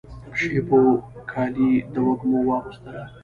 شېبو کالي د وږمو واغوستله